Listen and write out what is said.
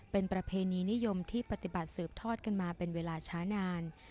เป็นประเพณีนิยมที่ปฏิบัติสืบทอดกันมาเป็นเวลาช้านาน